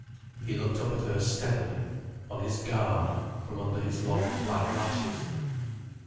He looked up at her steadily, on his guard, from under his long black lashes.